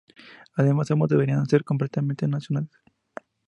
Además, ambos deberían ser completamente nacionales.